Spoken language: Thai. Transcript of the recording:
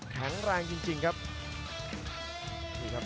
แข็งแรงจริงครับ